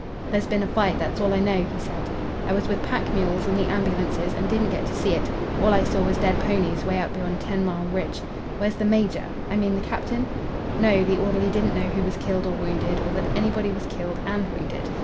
"There's been a fight; that's all I know," he said. "I was with the pack mules and the ambulances and didn't get to see it. All I saw was dead ponies way out beyond Ten Mile Ridge. Where's the major? I mean the captain?" No! the orderly didn't know who was killed or wounded, or that anybody was killed and wounded.